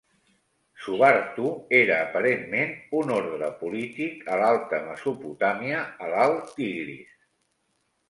Subartu era aparentment un ordre polític a l"alta Mesopotàmia, a l"alt Tigris.